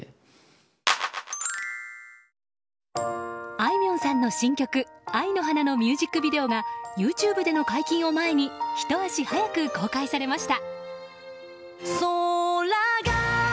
あいみょんさんの新曲「愛の花」のミュージックビデオがＹｏｕＴｕｂｅでの解禁を前にひと足早く公開されました。